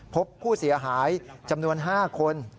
พบผู้เสียหายจำนวน๕คน